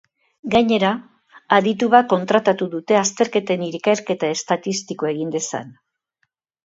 Gainera, aditu bat kontratatu dute azterketen ikerketa estatistikoa egin dezan.